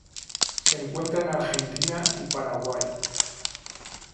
Se encuentra en Argentina y Paraguay.